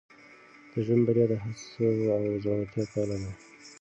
د ژوند بریا د هڅو او زړورتیا پایله ده.